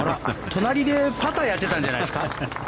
隣でパターやってたんじゃないですか。